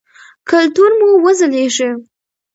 کلتور مو وځلیږي.